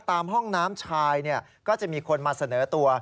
ตามห้องน้ำชายก็จะมีคนมาเสนอตัว